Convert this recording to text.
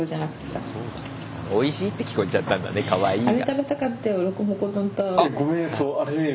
「おいしい？」って聞こえちゃったんだね「かわいい？」が。